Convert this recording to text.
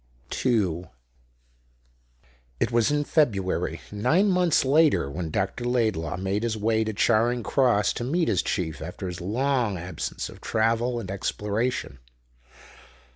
2 It was in February, nine months later, when Dr. Laidlaw made his way to Charing Cross to meet his chief after his long absence of travel and exploration.